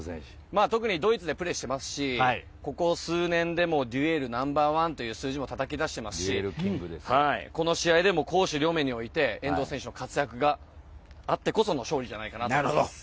ドイツでプレーしてますしここ数年でデュエルナンバー１という数字もたたき出していますしこの試合でも攻守両面で遠藤選手の活躍があってこその勝利じゃないかと思います。